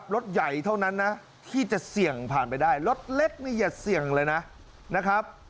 รถใหญ่เท่านั้นนะที่จะเสี่ยงผ่านไปได้รถเล็กนี่อย่าเสี่ยงเลยนะครับ